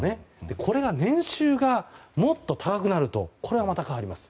これが年収がもっと高くなるとこれは、また変わります。